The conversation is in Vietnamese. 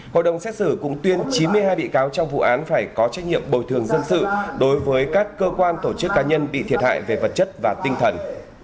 hội đồng xét xử cũng tuyên chín mươi hai bị cáo trong vụ án phải có trách nhiệm bồi thường dân sự đối với các cơ quan tổ chức cá nhân bị thiệt hại về vật chất và tinh thần